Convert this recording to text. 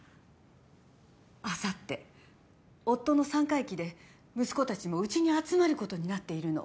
明後日夫の三回忌で息子たちもうちに集まることになっているの。